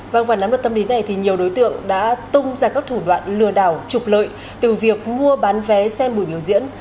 vâng và nắm được tâm lý này thì nhiều đối tượng đã tung ra các thủ đoạn lừa đảo trục lợi từ việc mua bán vé xem buổi biểu diễn